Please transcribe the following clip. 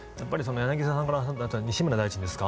柳澤さんからもありましたが西村大臣ですか。